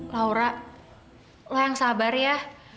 laura lo yang sabar ya